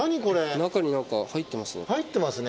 中に何か入ってますね。